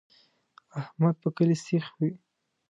احمد په کلي سیخ وي.